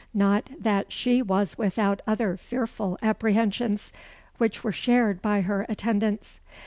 Not that she was without other fearful apprehensions, which were shared by her attendants.